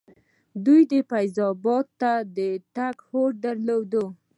دوی فیض اباد ته د تګ هوډ درلودل.